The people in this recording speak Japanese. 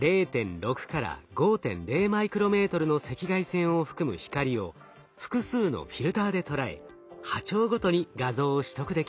０．６５．０マイクロメートルの赤外線を含む光を複数のフィルターで捉え波長ごとに画像を取得できます。